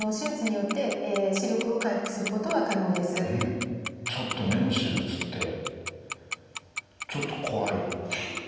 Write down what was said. ただちょっと目の手術ってちょっと怖い怖い。